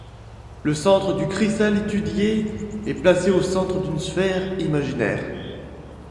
Le centre du cristal étudié est placé au centre d'une sphère imaginaire.